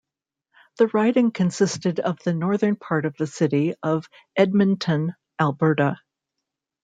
The riding consisted of the northern part of the city of Edmonton, Alberta.